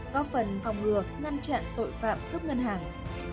góp phần phòng ngừa ngăn chặn tội phạm cướp ngân hàng